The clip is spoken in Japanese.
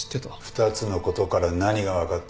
２つのことから何が分かった？